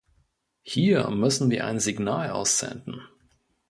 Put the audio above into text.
Hier müssen wir ein Signal aussenden.